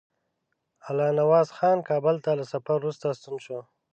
الله نواز خان کابل ته له سفر وروسته ستون شو.